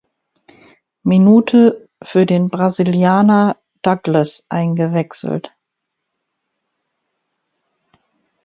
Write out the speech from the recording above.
Minute für den Brasilianer Douglas eingewechselt.